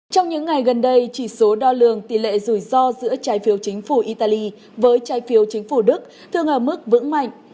trong những ngày gần đây chỉ số đo lường tỷ lệ rủi ro giữa trái phiếu chính phủ italy với trái phiếu chính phủ đức thường ở mức vững mạnh